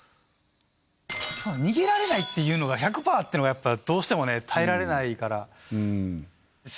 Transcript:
逃げられないっていうのが１００％っていうのがやっぱどうしてもね耐えられないから。